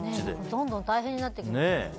どんどん大変になってきますね。